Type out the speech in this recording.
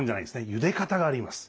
ゆで方があります。